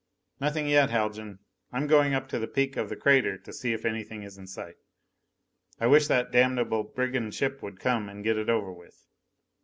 "Nothing yet, Haljan. I'm going up to the peak of the crater to see if anything is in sight. I wish that damnable brigand ship would come and get it over with."